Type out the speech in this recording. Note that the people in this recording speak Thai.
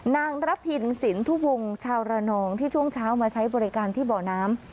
นางรับหินศิลป์ทุกวงชาวระนองที่ช่วงเช้ามาใช้บริการที่เบาะน้ำ